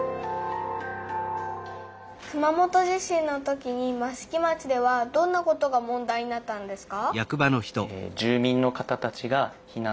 熊本地震のときに益城町ではどんなことが問題になったんですか？